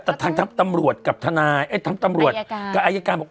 แต่ทั้งตำรวจกับทนายทั้งตำรวจกับอายการบอก